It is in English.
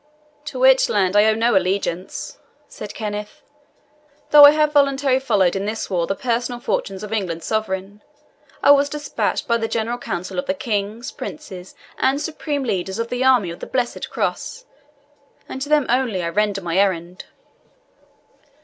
"To which land I owe no allegiance," said Kenneth. "Though I have voluntarily followed in this war the personal fortunes of England's sovereign, I was dispatched by the General Council of the kings, princes, and supreme leaders of the army of the Blessed Cross, and to them only I render my errand."